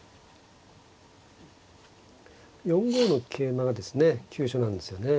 ４五の桂馬がですね急所なんですよね。